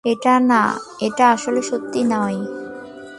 এটা না-- এটা আসলে সত্যি নয়।